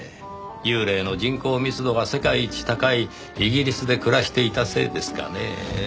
幽霊の人口密度が世界一高いイギリスで暮らしていたせいですかねぇ。